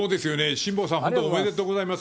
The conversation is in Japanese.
辛坊さん、本当おめでとうございます。